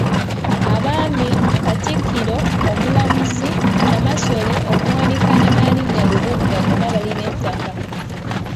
Abaami, Katikkiro, Omulamuzi, Namasole, Omuwanika ne Nnaalinnya Lubuga bonna balina ettaka.